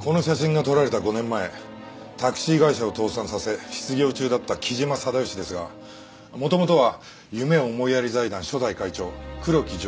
この写真が撮られた５年前タクシー会社を倒産させ失業中だった木島定良ですが元々は夢思いやり財団初代会長黒木定助の次男でした。